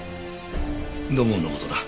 土門の事だ